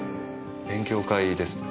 勉強会ですね？